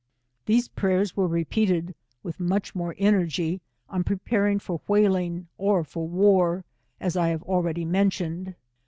These prayers were repeated, with much more ener gy, on preparing for whaling or for war as I have already mentioned.